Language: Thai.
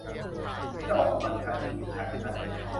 ฉันบอกคุณว่าฉันดูหมิ่นชายคนนั้น